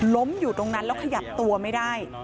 ล้มอยู่ตรงนั้นแล้วขยับตัวไม่ได้